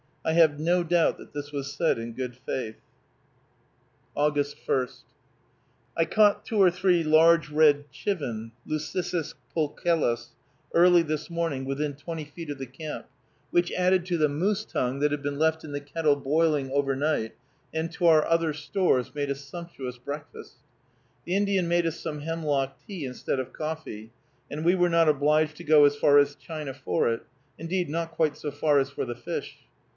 I have no doubt that this was said in good faith. August 1. I caught two or three large red chivin (Leuciscus pulchellus) early this morning, within twenty feet of the camp, which, added to the moose tongue, that had been left in the kettle boiling overnight, and to our other stores, made a sumptuous breakfast. The Indian made us some hemlock tea instead of coffee, and we were not obliged to go as far as China for it; indeed, not quite so far as for the fish.